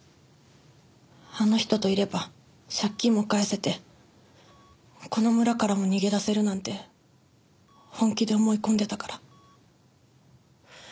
あの人といれば借金も返せてこの村からも逃げ出せるなんて本気で思い込んでたから。